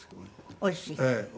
おいしい？